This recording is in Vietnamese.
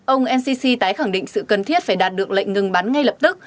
ông ncc tái khẳng định sự cần thiết phải đạt được lệnh ngừng bắn ngay lập tức